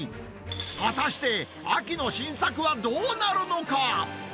果たして、秋の新作はどうなるのか。